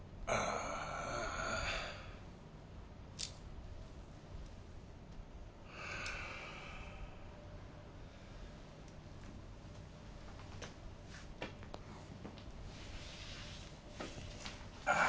ああ！？